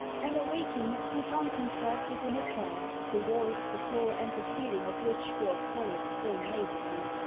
On awaking, he found himself within a cell, the walls, the floor, and the ceiling of which were of solid stone masonry.